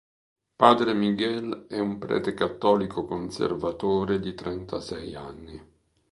Padre Miguel è un prete cattolico conservatore di trentasei anni.